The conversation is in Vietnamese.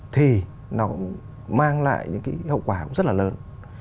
thì nó cũng mang lại những cái hậu quả cũng rất là lớn